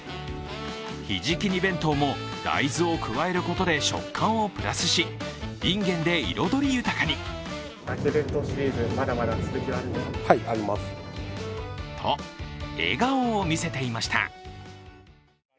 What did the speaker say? ひじき煮弁当も大豆を加えることで食感をプラスし、いんげんで彩り豊かに。と笑顔を見せていました。